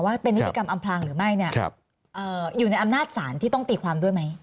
ว่าเป็นนิติกรรมอำพลางหรือไม่เนี่ยอยู่ในอำนาจศาลที่ต้องตีความด้วยไหม